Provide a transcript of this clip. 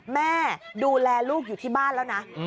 แม่ดูแลลูกอยู่ที่บ้านแล้วนะ